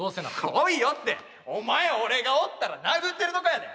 おいよってお前俺がおったら殴ってるとこやで。